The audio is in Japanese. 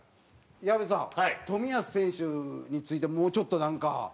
矢部さん冨安選手についてもうちょっとなんか。